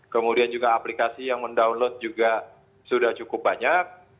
kemudian juga aplikasi yang mendownload juga sudah cukup banyak